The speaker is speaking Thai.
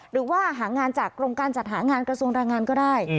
หรือว่าหางานจากกรมการจัดหางานกระทรวงแรงงานก็ได้